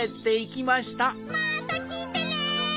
またきてね！